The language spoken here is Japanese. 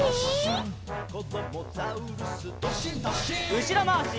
うしろまわし。